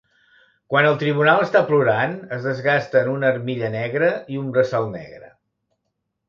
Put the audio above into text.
Quan el Tribunal està plorant, es desgasten una armilla negre i un braçal negre.